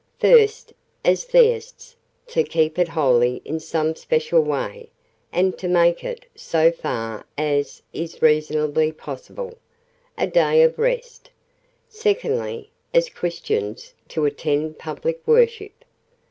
"First, as Theists, to keep it holy in some special way, and to make it, so far as is reasonably possible, a day of rest. Secondly, as Christians, to attend public worship."